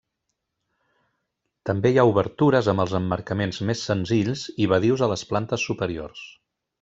També hi ha obertures amb els emmarcaments més senzills i badius a les plantes superiors.